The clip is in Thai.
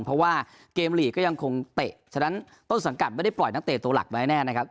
เพราะว่าเกมลีกก็ยังคงเตะฉะนั้นต้นสังกัดไม่ได้ปล่อยนักเตะตัวหลักไว้แน่นะครับ